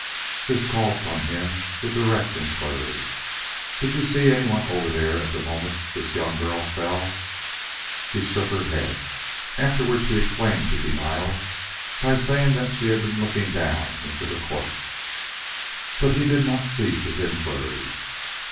"'This called from him the direct inquiry, "Did you see anyone over there at the moment this young girl fell?" "'She shook her head. Afterward she explained the denial by saying that she had been looking down into the court. "'But he did not cease his inquiries.